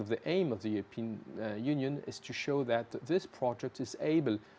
apa ke depannya eropa